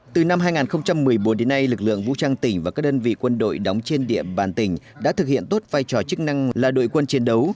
từ năm hai nghìn một mươi bốn đến nay lực lượng vũ trang tỉnh và các đơn vị quân đội đóng trên địa bàn tỉnh đã thực hiện tốt vai trò chức năng là đội quân chiến đấu